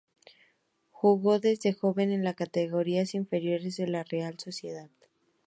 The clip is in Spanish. Jugó desde joven en las categorías inferiores de la Real Sociedad.